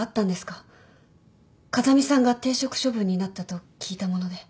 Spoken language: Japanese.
風見さんが停職処分になったと聞いたもので。